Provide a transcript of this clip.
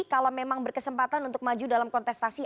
kalau memang berkesempatan untuk maju dalam kontestasi